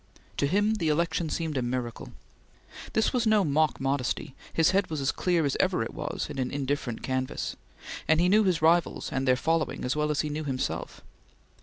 To him the election seemed a miracle. This was no mock modesty; his head was as clear as ever it was in an indifferent canvass, and he knew his rivals and their following as well as he knew himself.